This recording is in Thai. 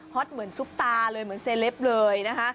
ตเหมือนซุปตาเลยเหมือนเซเลปเลยนะคะ